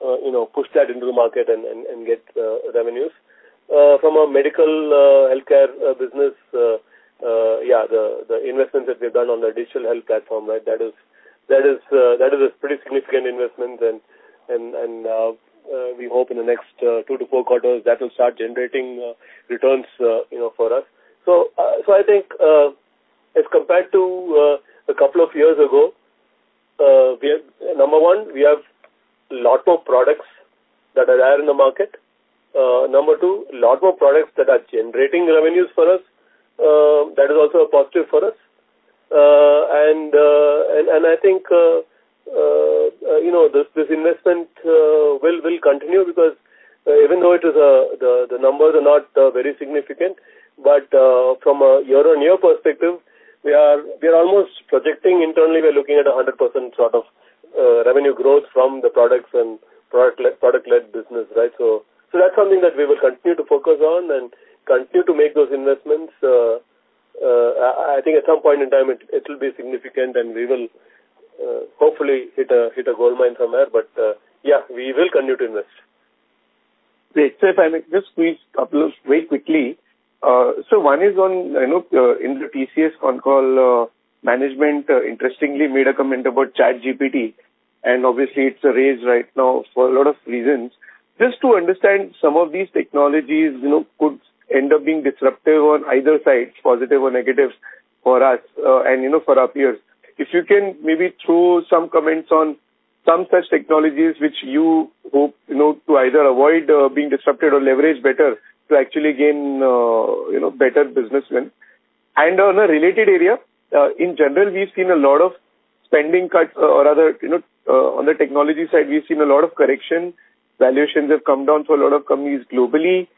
you know, push that into the market and get revenues. From a medical, healthcare business, yeah, the investments that we've done on the digital health platform, right? That is a pretty significant investment and we hope in the next Q2-Q4, that will start generating returns, you know, for us. So I think, as compared to a couple of years ago, number one, we have lot more products that are there in the market. Number two, lot more products that are generating revenues for us. That is also a positive for us. I think, you know, this investment will continue because even though it is, the numbers are not very significant, but, from a Y-o-Y perspective, we are almost projecting internally, we are looking at a 100% sort of revenue growth from the products and product-led business, right? That's something that we will continue to focus on and continue to make those investments. I think at some point in time, it'll be significant, and we will, hopefully hit a goldmine somewhere. Yeah, we will continue to invest. Great. Sir, if I may just squeeze a couple of very quickly. One is on, I know, in the TCS con call, management interestingly made a comment about ChatGPT, and obviously it's a rage right now for a lot of reasons. Just to understand some of these technologies, you know, could end up being disruptive on either side, positive or negative for us, and you know, for our peers. If you can maybe throw some comments on some such technologies which you hope, you know, to either avoid, being disrupted or leverage better to actually gain, you know, better business win. On a related area, in general, we've seen a lot of spending cuts or rather, you know, on the technology side, we've seen a lot of correction. Valuations have come down for a lot of companies globally.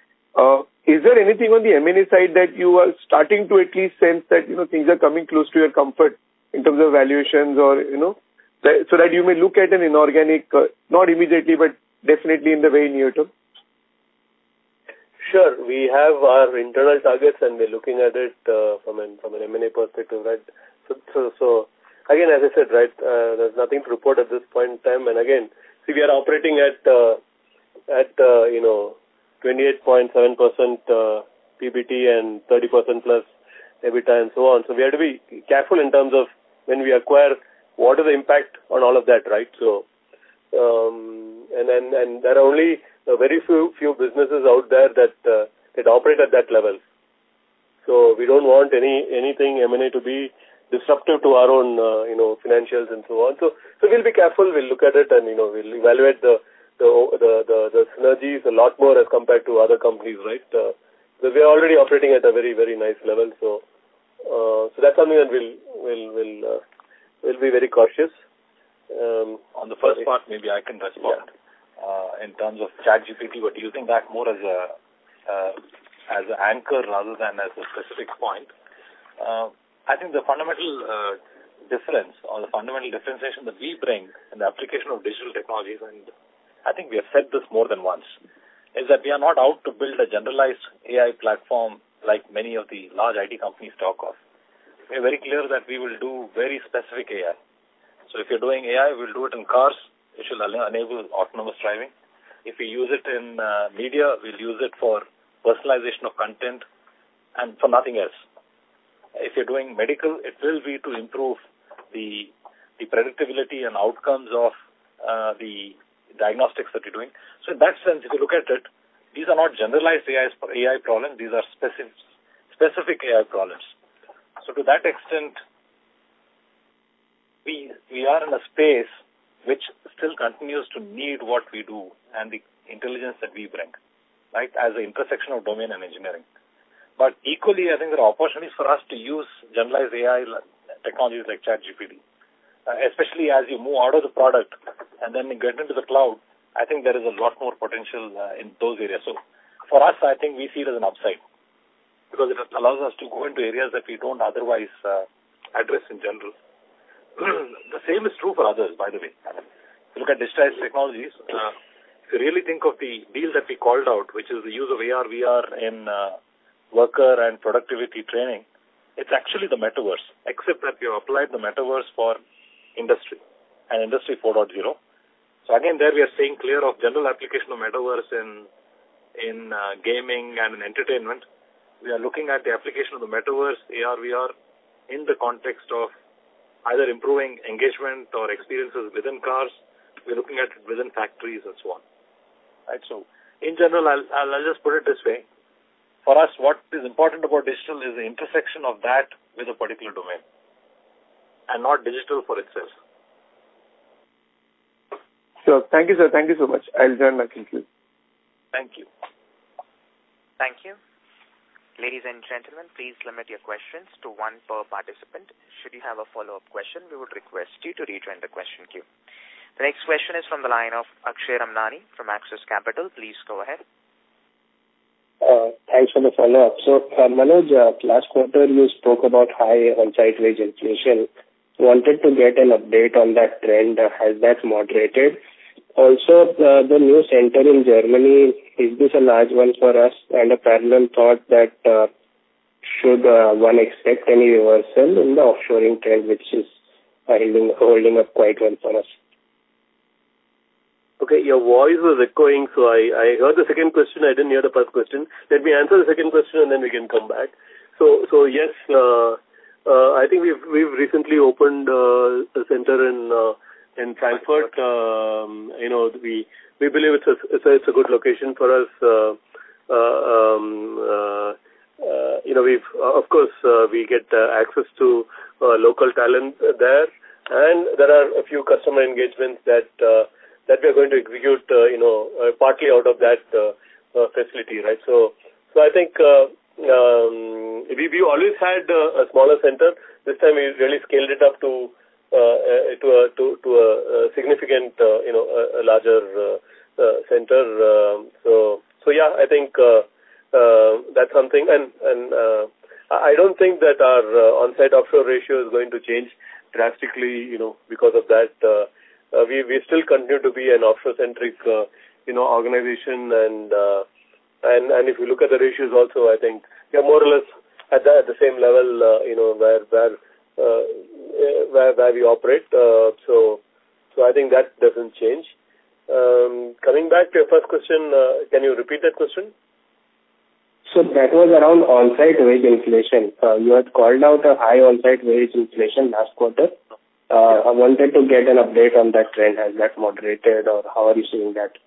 Is there anything on the M&A side that you are starting to at least sense that, you know, things are coming close to your comfort in terms of valuations or, you know? You may look at an inorganic, not immediately, but definitely in the very near term. Sure. We have our internal targets, we're looking at it, from an M&A perspective, right? Again, as I said, right, there's nothing to report at this point in time. Again, see, we are operating at, you know, 28.7% PBT and 30%+ EBITDA and so on. We have to be careful in terms of when we acquire, what is the impact on all of that, right? There are only a very few businesses out there that operate at that level. We don't want anything M&A to be disruptive to our own, you know, financials and so on. We'll be careful. We'll look at it and, you know, we'll evaluate the synergies a lot more as compared to other companies, right. Because we are already operating at a very, very nice level. That's something that we'll be very cautious. On the first part, maybe I can respond. Yeah. In terms of ChatGPT, we're using that more as a as an anchor rather than as a specific point. I think the fundamental difference or the fundamental differentiation that we bring in the application of digital technologies, and I think we have said this more than once, is that we are not out to build a generalized AI platform like many of the large IT companies talk of. We are very clear that we will do very specific AI. So if you're doing AI, we'll do it in cars, which will enable autonomous driving. If we use it in media, we'll use it for personalization of content and for nothing else. If you're doing medical, it will be to improve the predictability and outcomes of the diagnostics that you're doing. In that sense, if you look at it, these are not generalized AI problems, these are specific AI problems. To that extent, we are in a space which still continues to need what we do and the intelligence that we bring, right? As an intersection of domain and engineering. Equally, I think there are opportunities for us to use generalized AI technologies like ChatGPT. Especially as you move out of the product and then get into the cloud, I think there is a lot more potential in those areas. For us, I think we see it as an upside because it allows us to go into areas that we don't otherwise address in general. The same is true for others, by the way. If you look at digitized technologies, if you really think of the deals that we called out, which is the use of AR/VR in worker and productivity training, it's actually the metaverse, except that we have applied the metaverse for industry and Industry 4.0. Again, there we are staying clear of general application of metaverse in gaming and in entertainment. We are looking at the application of the metaverse AR/VR in the context of either improving engagement or experiences within cars. We're looking at within factories and so on. Right. In general, I'll just put it this way. For us, what is important about digital is the intersection of that with a particular domain, and not digital for itself. Sir. Thank you, sir. Thank you so much. I'll join back in queue. Thank you. Thank you. Ladies and gentlemen, please limit your questions to one per participant. Should you have a follow-up question, we would request you to rejoin the question queue. The next question is from the line of Akshay Ramnani from Axis Capital. Please go ahead. Thanks for the follow-up. Manoj, last quarter you spoke about high on-site wage inflation. Wanted to get an update on that trend. Has that moderated? Also, the new center in Germany, is this a large one for us? A parallel thought that, should one expect any reversal in the offshoring trend, which is holding up quite well for us. Okay. Your voice was echoing, so I heard the second question. I didn't hear the first question. Let me answer the second question, and then we can come back. Yes, I think we've recently opened a center in Frankfurt. You know, we believe it's a good location for us. You know, Of course, we get access to local talent there, and there are a few customer engagements that we are going to execute, you know, partly out of that facility, right? I think, we always had a smaller center. This time we really scaled it up to a significant, you know, a larger center. So yeah, I think that's something. I don't think that our on-site offshore ratio is going to change drastically, you know, because of that. We still continue to be an offshore-centric, you know, organization, and if you look at the ratios also, I think we are more or less at the same level, you know, where we operate. I think that doesn't change. Coming back to your first question, can you repeat that question? That was around on-site wage inflation. You had called out a high on-site wage inflation last quarter. I wanted to get an update on that trend. Has that moderated, or how are you seeing that?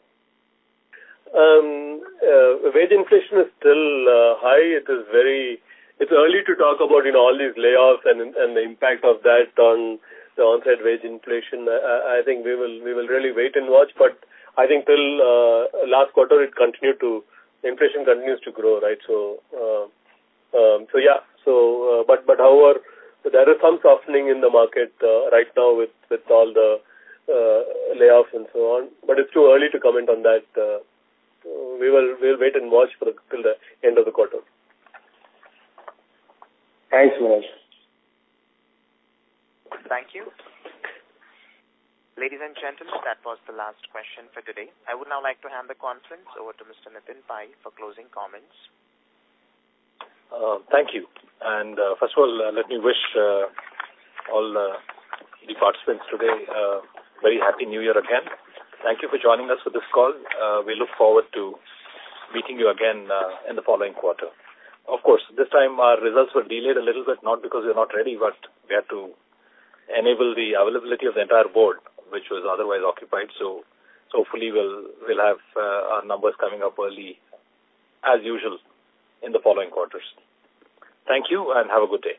wage inflation is still high. It's early to talk about, you know, all these layoffs and the impact of that on the on-site wage inflation. I think we will really wait and watch, but I think till last quarter, inflation continues to grow, right? Yeah. However, there is some softening in the market right now with all the layoffs and so on. It's too early to comment on that. We'll wait and watch for till the end of the quarter. Thanks, Manoj. Thank you. Ladies and gentlemen, that was the last question for today. I would now like to hand the conference over to Mr. Nitin Pai for closing comments. Thank you. First of all, let me wish, all, the participants today a very happy New Year again. Thank you for joining us for this call. We look forward to meeting you again, in the following quarter. Of course, this time our results were delayed a little bit, not because we're not ready, but we had to enable the availability of the entire board, which was otherwise occupied. Hopefully, we'll have our numbers coming up early as usual in the following quarters. Thank you, and have a good day.